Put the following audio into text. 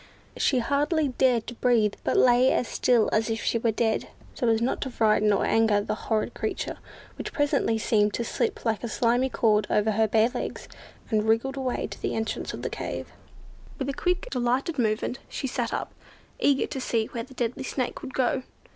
She hardly dared to breathe, but lay as still as if she were dead, so as not to frighten or anger the horrid creature, which presently seemed to slip like a slimy cord over her bare little legs, and wriggled away to the entrance of the cave. With a quick, delighted movement, she sat up, eager to see where the deadly Snake would go.